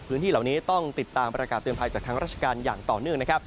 พื้นที่เหล่านี้ต้องติดตามประกาศเตือนภัยจากทางราชการอย่างต่อเนื่องนะครับ